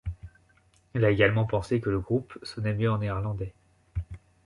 Il a également pensé que le groupe sonnait mieux en néerlandais.